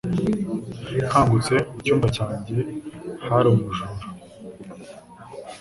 Nkangutse, mu cyumba cyanjye hari umujura.